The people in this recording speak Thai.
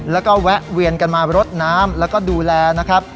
แล้วก็แวะเวียนกันมารดน้ำแล้วก็ดูแลนะครับ